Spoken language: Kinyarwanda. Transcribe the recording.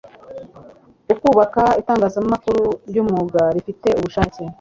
ukubaka itangazamakuru ry'umwuga rifite ubushake